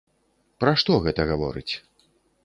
Пра што гэта гаворыць?